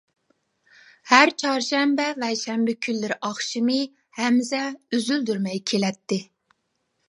ھەر چارشەنبە ۋە شەنبە كۈنلىرى ئاخشىمى، ھەمزە ئۈزۈلدۈرمەي كېلەتتى.